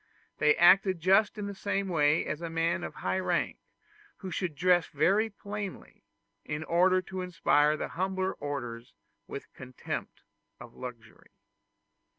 They acted just in the same way as a man of high rank who should dress very plainly, in order to inspire the humbler orders with a contempt of luxury.